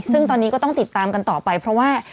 ซึ่งตอนนี้ก็ต้องติดตามกันต่อไปเพราะว่า